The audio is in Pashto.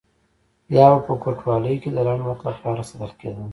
یا به په کوټوالۍ کې د لنډ وخت لپاره ساتل کېدل.